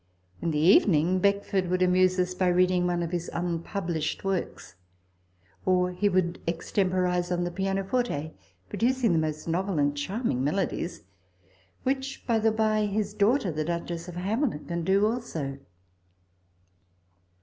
In the evening Beckford would amuse us by reading one of his unpublished works ; or he would extem porise on the pianoforte, producing the most novel and charming melodies (which, by the bye, his daughter, the Duchess of Hamilton, can do also).